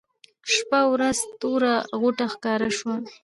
شېبه وروسته توره غوټه ښکاره شوه.